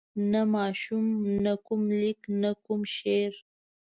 نه ماشوم نه کوم لیک نه کوم شعر.